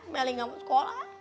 meli gak mau sekolah